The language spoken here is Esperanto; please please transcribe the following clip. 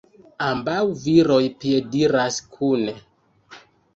Ambaŭ viroj piediras kune.